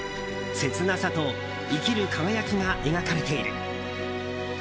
切なさと生きる輝きが描かれている。